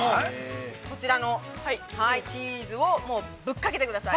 こちらの、チーズをぶっかけてください。